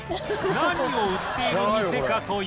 何を売っている店かというと